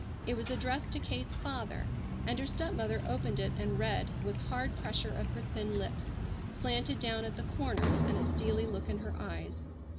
It was addressed to Kate's father, and her stepmother opened it and read with hard pressure of her thin lips, slanted down at the corners, and a steely look in her eyes.